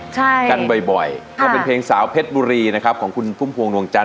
ใช่กันบ่อยก็เป็นเพลงสาวเพชรบุรีนะครับของคุณพุ่มพวงดวงจันท